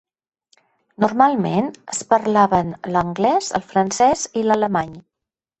Normalment es parlaven l'anglès, el francès i l'alemany.